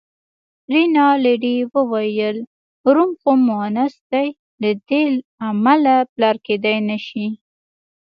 رینالډي وویل: روم خو مونث دی، له دې امله پلار کېدای نه شي.